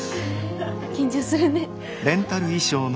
緊張するね。